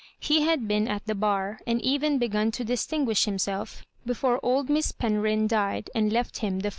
He bad been at the bar, and even be gan to distinguish himself before old Miss Fenrbjn died and left him the Firs.